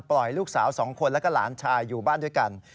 ลูกสาว๒คนแล้วก็หลานชายอยู่บ้านด้วยกัน